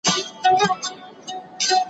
زه له سهاره د سبا لپاره د هنرونو تمرين کوم!؟